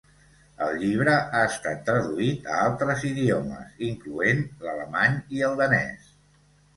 El llibre ha estat traduït a altres idiomes, incloent l'alemany i el danès.